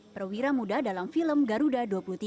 perwira muda dalam film garuda dua puluh tiga